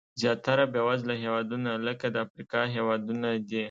زیاتره بېوزله هېوادونه لکه د افریقا هېوادونه دي.